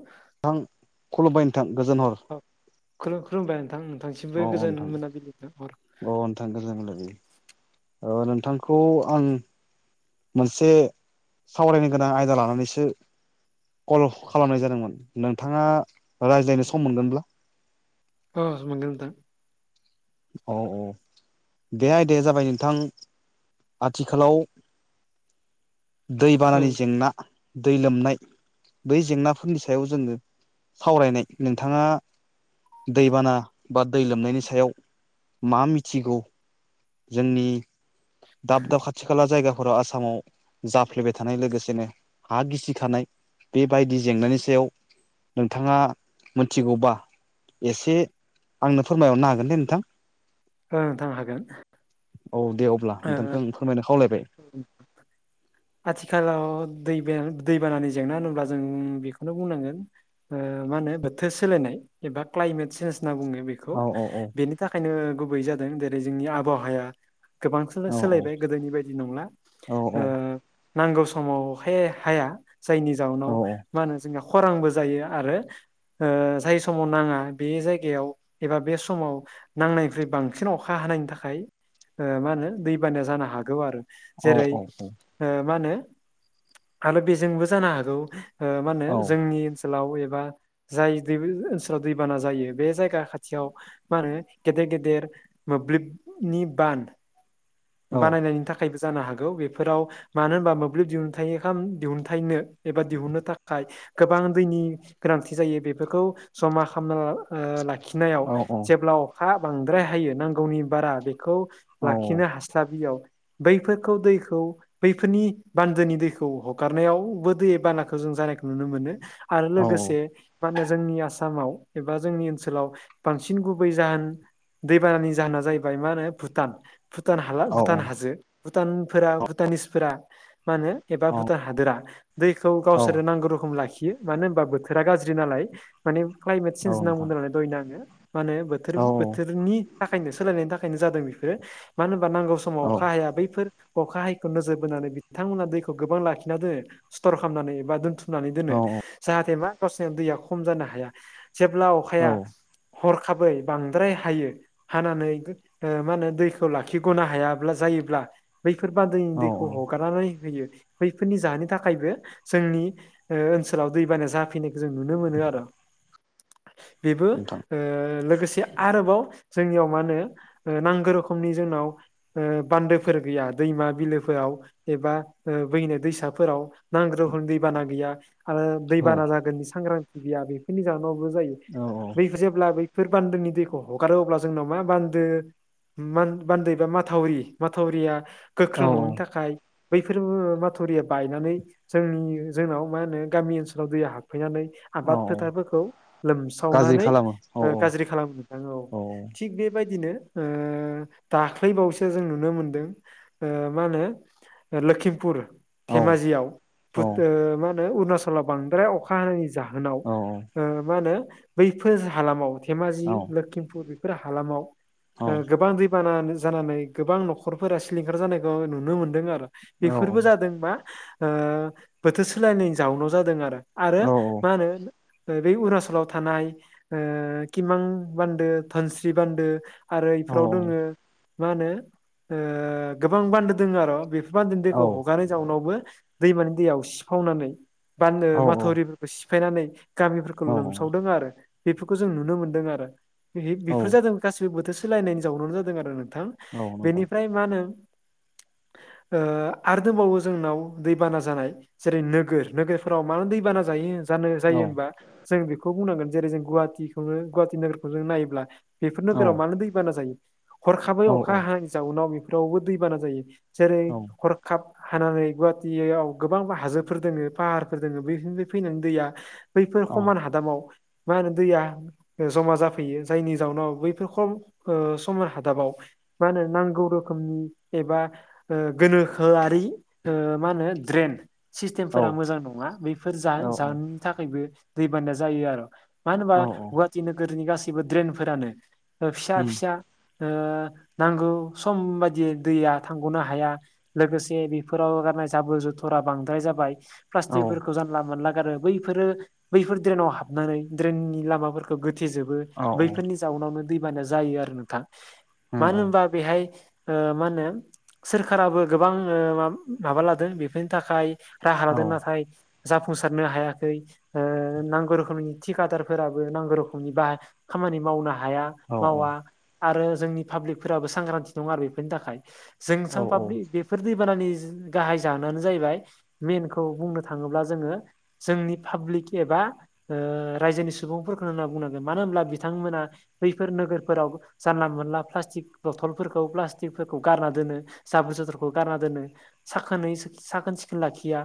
औ खुलुमबाय नोंथां गोजोन हर औ खुलुम खुलुमबाय नोंथां नोंथांसिमबो गोजोन मोना बिलि हर अ नोंथां गोजानलायै नोंथांखौ आं मोनसे सावरायनो गोनां आयदा लानानैसो कल खालामनाय जादोंमोन नोंथाङा रायज्लायनो सम मोनगोनब्ला औ मोनगोन नोंथां औ बे आइदाया जाबाय नोंथां आथिखालाव औ दैबानानि जेंना दै लोमनाय बै जेंनाफोरनि सायाव जोङो सावरायनाय नोंथाङा दैबाना बा दै लोमनायनि सायाव मा मिथिगौ जोंनि दाब दाब खाथि खाला जायगा आसामाव जाफ्लेबाय थानाय लोगोसेनो हा गिसिखानाय बेबायदि जेंनानि सायाव नोंथाङा मिथिगौबा एसे आंनो फोरमायहरनो हागोन दे नोंथां ओं थांनो हागोन औ दे अब्ला ओ नोंथांखौ आं फोरमायनो खावलायबाय आथिखालाव दै दैबानानि जेंना होनोब्ला जों बेखौनो बुंनांगोन मा होनो बोथोर सोलायनाय एबा क्लाइमेट सेेन्ज होनना बुङो औ बे औ औ बेनि थाखायनो गुबै जादों जेरै जोंनि आबहावाया गोबांसोल' औ सोलायबाय गोदोनि बायदि नंला औ ओ नांगौ समावहाय हाया जायनि औ जाउनाव मा होनो जोंहा खरांबो जायो आरो ओजाय समाव नाङा बे जायगायाव एबा बे समाव नांनायनिख्रुइ बांसिन अखा हानायनि थाखाय ओ मा होनो दैबानाया जानो हागौ आरो औ जेरै ओ मा होनो आरो बेजोंबो जानो हागौ ओ मा होनो औ जोंनि ओनसोलाव एबा जाय दै ओनसोलाव दैबाना जायो बे जायगा खाथियाव मा होनो गेदेर गेदेर मोब्लिबनि बान औ बानायनायनि थाखायबो जानो हागौ बेफोराव मानो होनबा मोब्लिब दिहुनथाइाम दिहुनथाइनो एबा दिहुननो थाखाय गोबां दैनि गोनांथि जायो बेफोरखौ जमा खालामना ओ लाखिनायाव औ जेब्ला अखा बांद्राय हायो नांगौनि बारा बे खौ लाखिनो हास्लाबियाव बैफोरखौ दैखौ बैफोरनि बान्दोनि दैखौ हगारनायावबो दै बानाखौ जों जानायखौ नुनो मोनो आरो औ लोगोसे मा होने जोंनि आसामाव एबा जोंनि ओनसोलाव बांसिन गुबै जाहोन दैबानानि जाहोना जाहैबाय मा होनो भुटान भुटान हाला औ भुटान हाजो भुटानफोरा भुटानिसफोरा मा होनो एबा भुटान हादोरा दैखौ गावसोरो नांगौ रोखोम लाखियो मानो होनबा बोथोरा गाज्रि नालाय माने क्लाइमेट सेेन्ज नांगौ नोंथां होन नालाय दहना आङो माने बोथोर औ बोथोरनि थाखायनो सोलायनायनि थाखायनो जादों बेफोरो मानो होनबा नांगौ समाव अखा हाया बैफोर अखा हायैखौ नोजोर बोनानै बिथांमोना दैखौ गोबां लाखिना दोनो स्थर खालामनानै एबा दोनथुम नानै दोनो औ जाहाथे मा गावसोरनि दैया खम जानो हाया जेब्ला अखाया हरखाबै बांद्राय हायो हानानै मा होनो दैखौ खौ लाखिगनो हायाब्ला जायोब्ला बैफोर बादैनि औ दैखौ औ हगारनानै होयो बैफोरनि जानो थाखायबो जोंनि ओ ओनसोलाव दैबानाया जाफैनायखौ जों नुनो मोनो आरो बेबो नोंथां ओ लोगोसे आरोबाव जोंनियाव मा होनो नांगौ रोखोम समनि जोंनाव ओ बान्दोफोर गैया दैमा बिलोफोराव एबा बैनो दैसाफोराव नांग्रोफोरनि दैबाना गैया आरो औ दैबाना जागोननि सांग्रांथि गैया बेफोरनि जाहोनावबो जायो औ औ बैफोर जेब्ला बैफोर बान्दोनि दैखौ हगारो अब्ला जोंनाव मा बान्दो बान्दै बा माथावरि माथावरिया गोख्रों औ ननि थाखाय बैफोर माथुरिया बायनानै जोंनि जोंनाव मा होनो गामि ओनसोलाव दैया हाबफैनानै औ आबाद फोथाफोरखौ गाज्रि लोमसावनानै खालामो ओ औ औ गाज्रि खालामोन औ नोंथां थिग बेबायदिनो ओ दाख्लैबावैसो जों नुनो मोनदों ओ मा होनो लोखिमपुर धेमाजियाव मा होनो अरुणाचलाव बांद्राय अखा अखा हानायनि जाहोनाव मा होनो बैफोर हालामाव धेमाजि लषिमपुर हालामाव ओ गोबां दै बाना जानानै गोबां नखरफोरा सिलिंखार जानायखौ नुनो मोनदों आरो बेफोरबो जादोंबा बोथोर सोलायनायनि जाउनाव जादों आरो आरो मा होनो बे अरुणचलाव थानाय ओ किमां बान्दो धोनस्रि बान्दो आरो इफोराव दोङो मा होनो ओ गोबां बान्दो दङ आरो बेफोर बान्दो दैखौ हगारनाय जाउनावबो दैमानि दैयाव उसिफावनानै बानदो माथावरि सिफायनानै गामिफोरखौ लोमसावदों आरो बेफोरखौ जों नुनो मोनदों आरो बे बेफोर जादों गासिबो बोथोर सोलायनायनि जावनावनो जादों आरो नोंथां बेनिफ्राय मा होनो [inaudible] ओ आरो दंबावो जोंनाव दैबाना जानाय जेरै नोगोर नोगोरफोराव मानो दैबाना जायो जानो जायो होनबा जों बेखौ बुंनांगोन जेरै जों गुवाहाटिखौनो गुवाहाटि नोगोरखौ जों नायोब्ला बेफोर नोगोराव मानो दैबाना जायो हरखाबै अखा हा जाउनाव बेफोरावबो दैबाना जायो। जेरै हर काब हानानै गुवाहाटियाव गोबां हाजोफोर दोङो फाहारफोर दोङ बेफोरनि फैनानै दैया बैफोर खमान हादामाव मा होनो दैया जमा जाफैयो जायनि जाउनाव बैफोरखम ओ खम हादाबाव मा होनो नांगौ रोखोमनि एबा ओ गोनोखोआरि मा होनो ड्रेन सिस्टेमफोरा मोजां नङा बैफोर जाहोन जानोनि थाखायबो दैबाना जायो आरो मानो होनबा गुवाहाटि नोगोरनि गासैबो ड्रेनफोरानो फिसा फिसा ओ नांगौ सम बायदियै दैया थांगनो हाया। लोगोसे बेफोराव गारनाय जाबोर जुथुरा बांद्राय जाबाय। प्लास्टिकफोरखौ जानला मोनला गारो बैफोरो बैफोर ड्रेनाव हाबनानै ड्रेननि लामाफोर खौ गोथेजोबो बैफोरनि जाउनावनो दैबाना जायो आरो नोंथां। मानो होनोमबा बेहाय ओ मा होनो सोरखाराबो गोबां ओ मा माबा लादों बेफोरनि थाखाय राहा लादों नाथाय जाफुंसारनो हायाखै ओ नांगौ रोखोमनि थिकादारफोराबो नांगौ रोखोमनि बा खामानि मावनो हाया। मावा आरो जोंनि पाब्लिकफोराबो सांग्रांथि नङा आरो बेफोरनि थाखाय जोंसां पाब्लिक बे बेफोर दैबानानि गाहाय जानायानो जाहैबाय मेनखौ बुंनो थाङोब्ला जोङो जोंनि पाब्लिक एबा ओ रायजोनि सुबुंफोरखौ होनना बुंनांगोन मानो होनोमब्ला बिथांमोना बैफोर नोगोरफोराव जानला मोनला प्लास्टिक बथलफोरखौ प्लास्टिकफोरखौ गारना दोनो जाब्रु जथरखौ गारना दोनो। साखोनै साखोन सिखोन लाखिया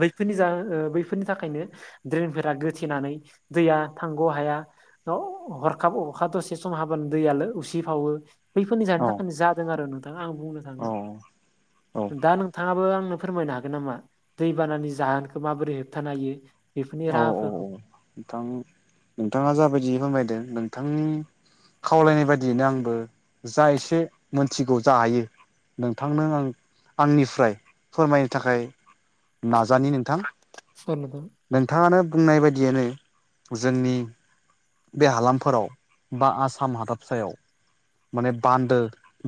बै बेफोरनि जा बैफोरनि थाखायनो ड्रेनफोरा गोथेनानै दैया थांगौ हाया। हरखाब अरखा दसे सम हाब दैआलो उसि फावो बैफोरनि जानोनि थाखायनो जादों आरो न नों आं बुंनो थाङो दा नोंथाङाबो आंनो फोरमायनो हागोन नामा दैबानानि जाहोनखौ माबोरै हो बथानो हायो बेफोरनि राहाफोरखौ नोंथां नोंथाङा जाबायदि फोरमायदों नोंथां खावलायनाय बायदियैनो आंबो जा एसे मोनथिगौ जा हायो नोंथांनो आं आंनिफ्राय फोरमायनो थाखाय नाजानि नोंथां [unintelligible] नोंथाङानो बुंनाय बायदियानो जोंनि बे हालामफोराव बा आसाम हादाबसायाव माने बान्दो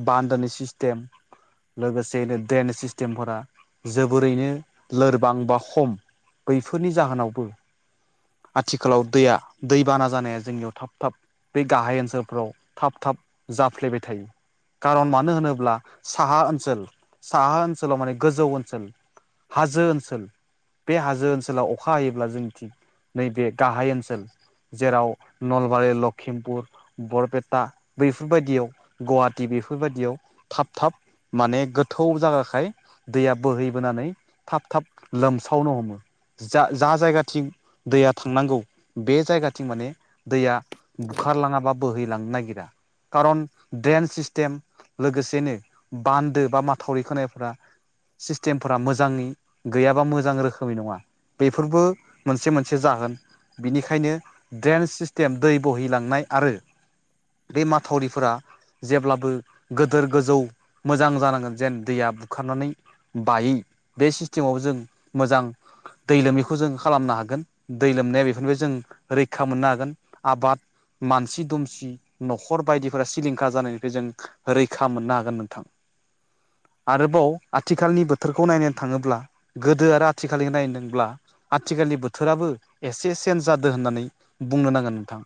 बान्दोनि सिस्टेम लोगोसेयैनो ड्रेनेज सिस्टेमफोरा जोबोरैनो लोरबां बा खम बैफोरनि जाहोनावबो आथिखालाव दैया दै बाना जानाया जोंनियाव थाब थाब बे गाहाय ओनसोलफ्राव थाब थाब जाफ्लेबाय थायो। खारन मानो होनोब्ला साहा ओनसोल साहा ओनसोलाव माने गोजौ ओनसोल हाजो ओनसोल बे हाजो ओनसोलाव अखा हायोब्ला जोंनि थिग नैबे गाहाय ओनसोल जेराव नलबारि लखिमपुर बरपेटा बैफोरबायदियाव गुवाहाटी बेफोरबायदियाव थाब थाब माने गोथौ जागाखाय दैया बोहैबोनानै थाब थाब लोमसावनो हमो। जा जा जायगाथिं दैया थांनांगौ बे जायगा थिं माने दैया बुखारलाङा बा बोहैलांनो नागिरा। खारन ड्रेन सिस्टेम लोगोसेनो बान्दो बा माथावरि खोनायफ्रा सिस्टेमफोरा मोजाङै गैयाबा मोजां रोखोमै नङा बेफोरबो मोनसे मोनसे जागोन बिनिखायनो ड्रेनस सिस्टेम दै बोहिलांनाय आरो बे माथावरिफोरा जेब्लाबो गोदोर गोजौ मोजां जानांगोन जेन दैया बुखारनानै बायि बे सिस्टेमाव जों मोजां दै लोमैखौ जों खालामनो हागोन दै लोमनाया बेफोरनिफ्राय जों रैखा मोननो हागोन आबाद मानसि दुमसि न'खर बायदिफोरा सिलिंखार जानायनिफ्राय जों रैखा मोननो हागोन नोंथां। आरोबाव आथिखालनि बोथोरखौ नायनानै थाङोब्ला गोदो आरो आथिखालनि नायदोंब्ला आथिखालनि बोथोराबो एसे चेन्ज जादों होननानै बुंनो नांगोन नोंथां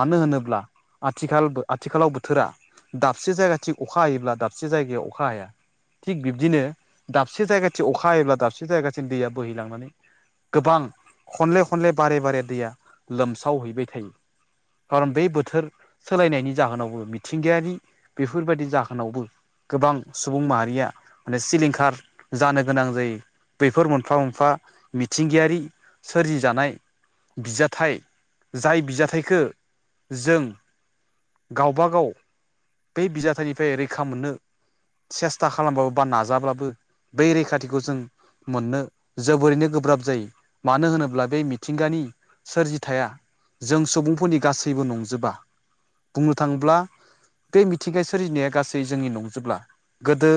मानो होनोब्ला आथिखाल आथिखालाव बोथोरा दाबसे जायगा थिग अखा हायोब्ला दाबसे जायगायाव अखा हाया थिग बिब्दिनो दाबसे जायगाथि अखा हायोब्ला दाबसे जायगासिम दैया बोहैलांनानै गोबां खनले खनले बारे बारे दैया लोमसावहैबाय थायो। खारन बे बोथोर सोलायनायनि जाहोनावबो मिथिंगायारि बेफोरबायदि जाहोनावबो गोबां सुबुं माहारिया माने सिलिंखार जानो गोनां जायो। बैफोर मोनफा मोनफा मिथिंगायारि सोरजिजानाय बिजाथि थाइ जाय बिजाथायाइखो जों गावबागाव बै बिजााथाइनिफ्राय रैखा मोननो सेस्था खालामबाबो बा नाजाब्लाबो बै रैखाथिखौ जों मोननो जोबोरैनो गोब्राब जायो मानो होनोब्ला बै मिथिंगानि सोरजि थाया जों सुबुंफोरनि गासैबो नंजोबा बुंनो थाङोब्ला बे मिथिंगा सोरजिनाया गासै जोंनि नंजोब्ला गोदो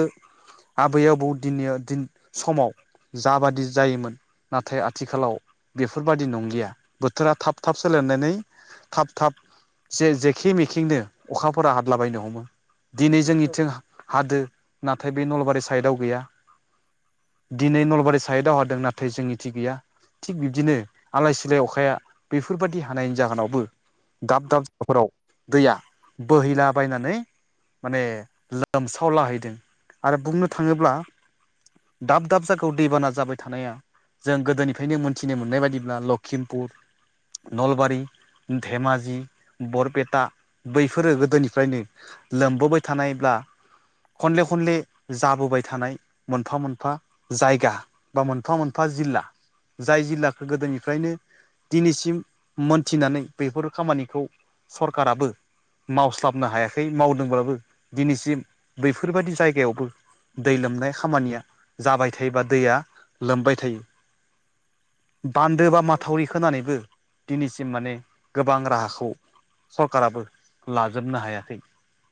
आबै आबौ दिननि दिन समाव जाबादि जायोमोन नाथाय आथिखालाव बेफोरबादि नंलिया बोथोरा थाब थाब सोलायनानै थाब थाब जे जेखे मेखेंनो अखाफोरा हादलाबायनो हमो। दिनै जोंनिथिं हादो नाथाय बे नलबारि साइडआव गैया दिनै नलबारि साइड दावहाादों नाथाय जोंनि थि गैया थिग बिब्दिनो आलाय सिलाय अखा आखाया बेफोरबायाददि हानायनि जाहोनावबो दाब दाब फोराव दैया बोहैला बायनानै माने लोमसावलाहैदों आरो बुंनो थाङोब्ला दाब दाब जायगायाव दैबाना जाबाय थानाया जों गोदोनिफ्रायनो मोनथिनो मोननाय बायदिब्ला लक्षिम कुर नलबारि धेमाजि बरपेटा बैफोरो गोदोनिफ्रायनो लोमबोबाय थानायब्ला खनले खनले जाबोबाय थानाय मोनफा मोनफा जायगा बा मोनफा मोनफा जिल्ला जाय जिल्लाखौ गोदोनिफ्रायनो दिनैसिम मोनथिनानै बेफोर खामानिखौ सरकाराबो मावस्लाबनो हायाखै मावदोंब्लाबो दिनैसिम बैफोरबायदि जायगायावबो दै लोमनाय खामानिया जाबाय थायोबा दैया लोमबाय थायो। बान्दो बा माथावरि होनानैबो दिनैसिम माने गोबां राहाखौ सरखाराराबो लाजोबनो हायाखै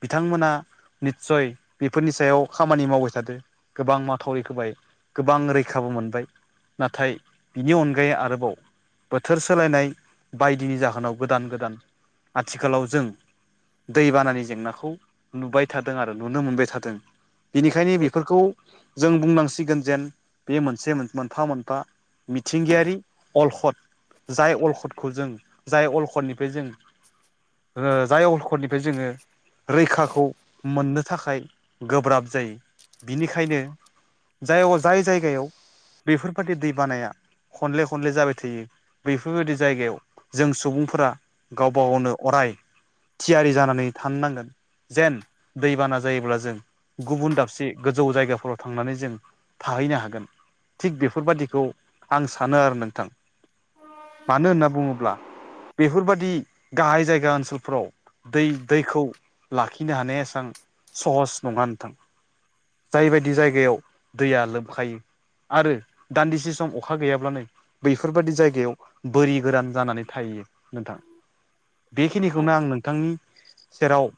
बिथांमोना निस्सय बेफोरनि सायाव खामानि मावबाय थादों। गोबां माथावरि होबाय गोबां रैखाबो मोनबाय नाथाय बिनि अनगायै आरोबाव बोथोर सोलायनाय बायदिनि जाहोनाव गोदान गोदान आथिखालाव जों दैबानानि जेंनाखौ नुबाय थादों आरो नुनो मोनबाय थादों। बिनिखायनो बेफोरखौ जों बुंनांसिगोन जेन बे मोनसे मोनफा मोनफा मिथिंगायारि। अलखद जाय अलखदखौ जों जाय अलखदनिफ्राय जों जाय अलखदनिफ्राय जोङो रैखाखौ मोननो थाखाय गोब्राब जायो बिनिखायनो जाय जाय जायगायाव बेफोरबायाददि दै बानाया खनले खन खनले जाबाय थायो बैफोरबायदि जायगायाव जों सुबुंफोरा गावबा गावनो अराय थियारि जानानै थानो नांगोन। जेन दैबाना जायोब्ला जों गुबुन दाबसे गोजौ जायगाफोराव थांनानै जों थाहैनो हागोन, थिग बेफोरबादिखौ आं सानो आरो नोंथां। मानो होनना बुङोब्ला बेफोरबादि गाहाय जायगा ओनसोलफोराव दै दैखौ लाखिनो हानाया एसां सहस नङा नोंथां। जाय बायदि जायगायाव दैया लोबखायो। आरो दान्दिसे सम अखा गैयाब्लानो बैफोरबायदि जायगायाव बोरि गोरान जानानै थायो। नोंथां, बेखिनिखौनो आं नोंथांनि सेराव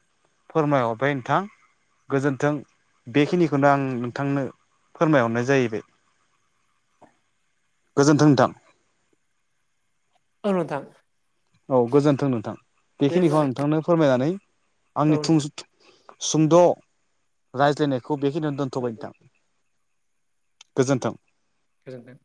फोरमायहरबाय नोंथां। गोजोन्थों। बेखिनिखौनो आं नोंथांनो फोरमायहरनाय जाहैबाय। गोजोन्थों नोंथां। नंगौ नोंथां। औ गोजोन्थों नोंथां। दे होमबा बेखिनिखौ आं नोंथां नोंथांनो फोरमायनानै आंनि औ थुं नोंथां सुंद' रायज्लायनायखौ बेखिनियावनो दोन्थ'बाय नोंथां। गोजोन्थों। गोजोन्थों।